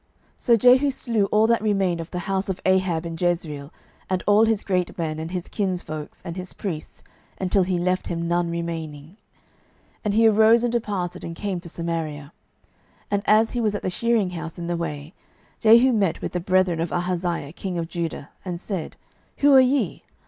12:010:011 So Jehu slew all that remained of the house of Ahab in Jezreel, and all his great men, and his kinsfolks, and his priests, until he left him none remaining. 12:010:012 And he arose and departed, and came to Samaria. And as he was at the shearing house in the way, 12:010:013 Jehu met with the brethren of Ahaziah king of Judah, and said, Who are ye?